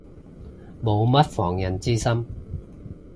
冇乜防人之心